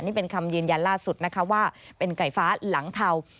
นี่เป็นคำยืนยันล่าสุดนะคะว่าเป็นไก่ฟ้าหลังเทา